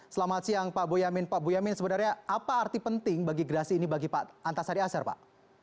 selamat siang pak boyamin pak boyamin sebenarnya apa arti penting bagi gerasi ini bagi pak antasari azhar pak